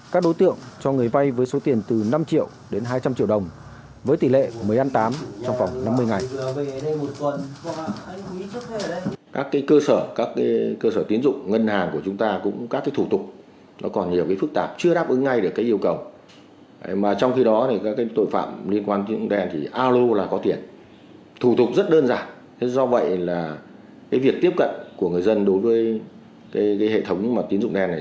các đối tượng cho người vay với số tiền từ năm triệu đến hai trăm linh triệu đồng với tỷ lệ mới ăn tám trong khoảng năm mươi ngày